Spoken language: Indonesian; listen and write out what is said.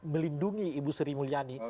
melindungi ibu sri mulyani